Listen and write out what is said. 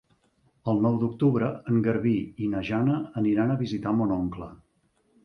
El nou d'octubre en Garbí i na Jana aniran a visitar mon oncle.